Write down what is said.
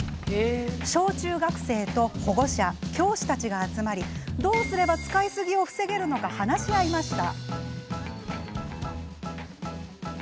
小中学生と保護者教師たちが集まりどうすれば使いすぎを防げるのか話し合いました。